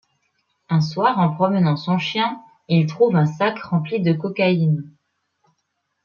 Un soir en promenant son chien il trouve un sac rempli de cocaïne.